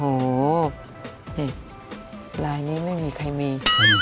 โอ้โหนี่ลายนี้ไม่มีใครมี